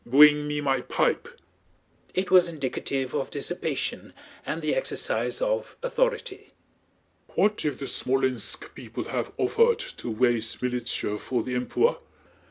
Bwing me my pipe!" It was indicative of dissipation and the exercise of authority. "What if the Smolénsk people have offahd to waise militia for the Empewah?